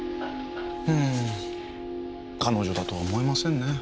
うん彼女だとは思えませんね。